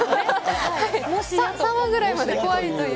３話ぐらいまで怖いという。